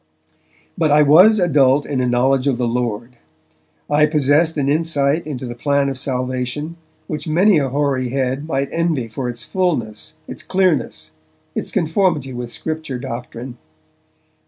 But I was adult in a knowledge of the Lord; I possessed an insight into the plan of salvation which many a hoary head might envy for its fullness, its clearness, its conformity with Scripture doctrine.